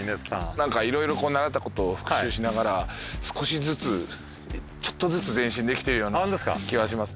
なんかいろいろこう習ったことを復習しながら少しずつちょっとずつ前進できてるような気はします。